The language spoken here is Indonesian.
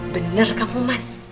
bener kamu mas